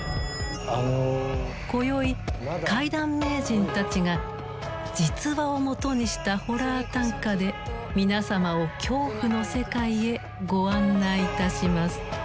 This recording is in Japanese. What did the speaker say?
今宵怪談名人たちが実話をもとにしたホラー短歌で皆様を恐怖の世界へご案内いたします。